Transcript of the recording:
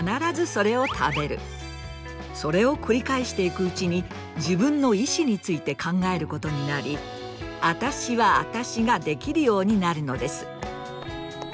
それを繰り返していくうちに自分の意思について考えることになり“あたしはあたし”ができるようになるのです。